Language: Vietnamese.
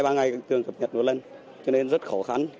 hai ba ngày trường cập nhật một lần cho nên rất khó khăn